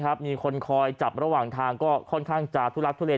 ครับมีคนคอยจับระหว่างทางก็ค่อนข้างจาดทุกลักษณ์ทุกเล่น